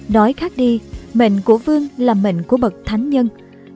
nói khác đi mệnh của vương là mệnh của bậc thánh nhân